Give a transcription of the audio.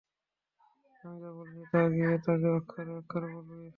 আমি যা বলছি, তা গিয়ে তাকে অক্ষরে অক্ষরে বলবি?